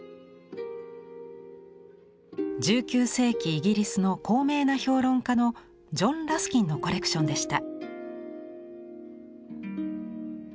１９世紀イギリスの高名な評論家のジョン・ラスキンのコレクションでした。